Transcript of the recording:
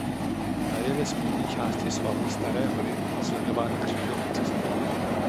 Ta je ve spodní části svahu Staré hory sledována křížovou cestou.